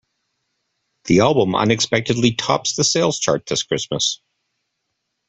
The album unexpectedly tops the sales chart this Christmas.